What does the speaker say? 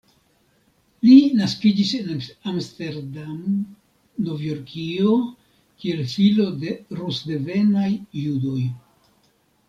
Li naskiĝis en Amsterdam, Novjorkio, kiel filo de rus-devenaj judoj.